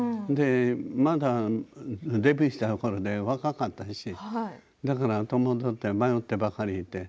まだデビューしたころ若かったしだから戸惑って迷ってばかりいて。